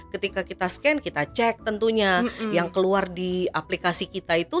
ketika kita scan kita cek tentunya yang keluar di aplikasi kita itu